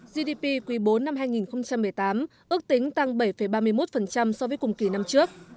gdp quý bốn năm hai nghìn một mươi tám ước tính tăng bảy ba mươi một so với cùng kỳ năm trước